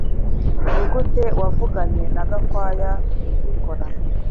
Nigute wavuganye na Gakwaya kubikora